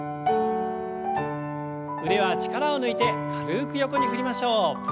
腕は力を抜いて軽く横に振りましょう。